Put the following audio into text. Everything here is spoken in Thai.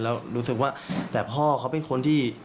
แล้วรู้สึกว่าแต่พ่อเขาเป็นคนที่